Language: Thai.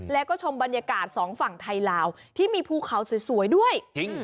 แล้วก็ชมบรรยากาศสองฝั่งไทยลาวที่มีภูเขาสวยด้วยจริง